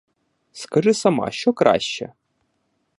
Скажи сама, що краще?